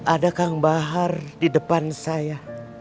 ada kang bahar di depan saya